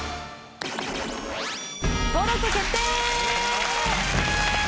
登録決定！